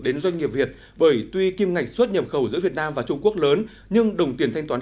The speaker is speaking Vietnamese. đến doanh nghiệp việt bởi tuy kim ngạch xuất nhập khẩu giữa việt nam và trung quốc lớn nhưng đồng tiền thanh toán